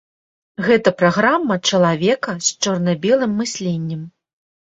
Гэта праграма чалавека з чорна-белым мысленнем.